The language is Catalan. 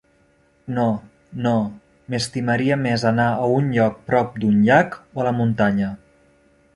No, no, m'estimaria més anar a un lloc prop d'un llac, o a la muntanya.